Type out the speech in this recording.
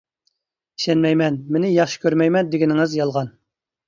ئىشەنمەيمەن، مېنى ياخشى كۆرمەيمەن دېگىنىڭىز يالغان!